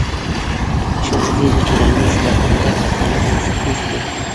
ښوونځی د ټولنیز پرمختګ لپاره بنسټیز دی.